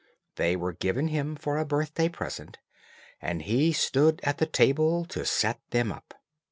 They were given him for a birthday present, and he stood at the table to set them up.